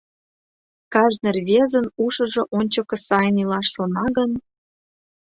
Кажне рвезын ушыжо ончыко сайын илаш шона гын...